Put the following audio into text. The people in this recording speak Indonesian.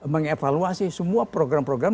mengevaluasi semua program program